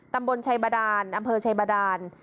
ตำบลชัยบาดานอำเภอชัยบาดาน